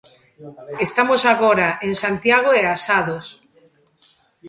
Estamos agora en Santiago e Asados.